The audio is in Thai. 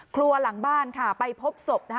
ครัวหลังบ้านค่ะไปพบศพ